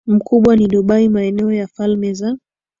mkubwa ni Dubai Maeneo ya Falme za